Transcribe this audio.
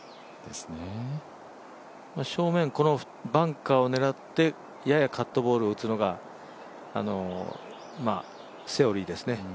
正面、このバンカーを狙ってややカットボールを打つのがセオリーですね。